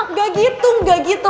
eh gak gitu gak gitu